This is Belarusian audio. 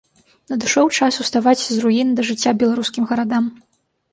Надышоў час уставаць з руін да жыцця беларускім гарадам.